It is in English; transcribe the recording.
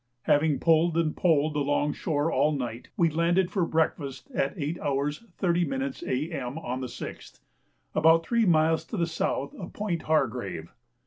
Having pulled and poled along shore all night, we landed for breakfast at 8 h. 30 m. A.M., on the 6th, about three miles to the south of Point Hargrave.